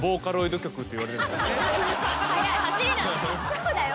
そうだよ。